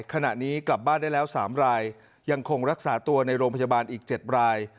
ขณะนี้กลับบ้านได้แล้ว๓รายยังคงรักษาตัวในโรงพยาบาลอีก๗ราย